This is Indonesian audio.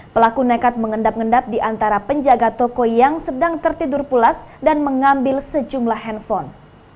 pelaku nekat mengendap endap di antara penjaga toko yang sedang tertidur pulas dan mengambil sejumlah handphone